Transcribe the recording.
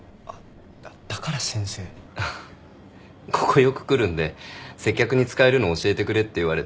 だから「先生」ここよく来るんで接客に使えるの教えてくれって言われて。